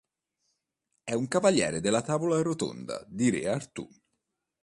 È un cavaliere della Tavola Rotonda di re Artù.